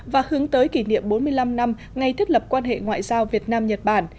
và hướng tới kỷ niệm bốn mươi năm năm ngày thiết lập quan hệ ngoại giao việt nam nhật bản